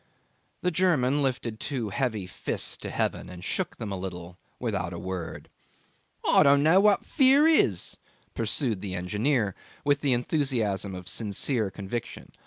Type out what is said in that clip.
The German lifted two heavy fists to heaven and shook them a little without a word. 'I don't know what fear is,' pursued the engineer, with the enthusiasm of sincere conviction.